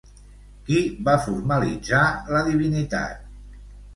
Qui va formalitzar la divinitat?